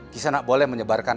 kisanak boleh menyebarkan